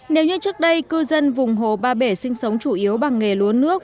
nếu như trước đây cư dân vùng hồ ba bể sinh sống chủ yếu bằng nghề lúa nước